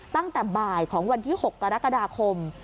ตั้งแต่บ่ายของวันที่๖กรกฎาคม